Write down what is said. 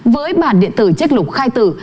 với bản điện tử chích lục khai tử